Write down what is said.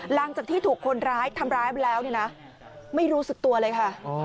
หลังจากที่ถูกคนร้ายทำร้ายแล้วเนี่ยนะไม่รู้สึกตัวเลยค่ะ